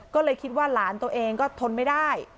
ก็เลยคิดว่าหลานตัวเองก็ทนไม่ได้